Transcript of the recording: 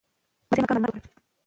حاجي مریم اکا معلومات ورکول.